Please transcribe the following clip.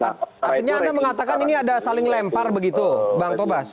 artinya anda mengatakan ini ada saling lempar begitu bang tobas